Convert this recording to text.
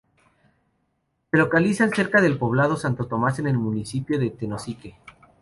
Se localizan cerca del poblado Santo Tomás en el municipio de Tenosique.